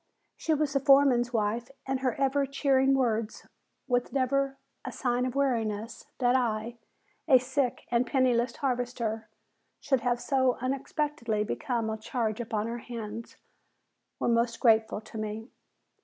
She was the foreman's wife, and her ever cheering words with never a sign of weariness that I, a sick and penniless harvester, should have so unexpectedly become a charge upon her hands, were most grateful to me.